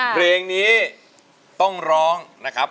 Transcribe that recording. เพลงนี้ต้องร้องนะครับ